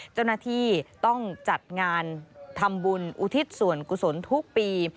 เจ้าหน้าที่ต้องจัดงานทำบุญอุทิศส่วนกุศลทุกปี